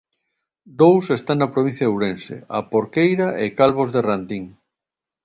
Dous están na provincia de Ourense: A Porqueira e Calvos de Randín.